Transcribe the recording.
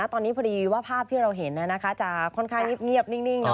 ตอนนี้พอดีว่าภาพที่เราเห็นจะค่อนข้างเงียบนิ่ง